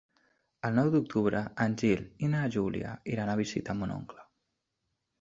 El nou d'octubre en Gil i na Júlia iran a visitar mon oncle.